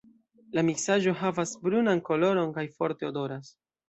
La miksaĵo havas brunan koloron kaj forte odoras.